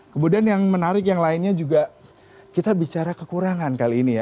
kemudian yang menarik yang lainnya juga kita bicara kekurangan kali ini ya